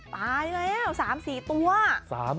ตายแล้ว๓๔ตัว